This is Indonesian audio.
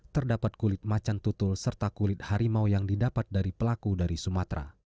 terdapat kulit macan tutul serta kulit harimau yang didapat dari pelaku dari sumatera